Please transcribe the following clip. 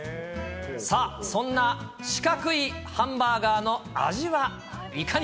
さあ、そんな四角いハンバーガーの味はいかに？